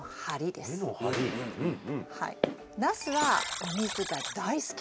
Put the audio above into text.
ナスはお水が大好き。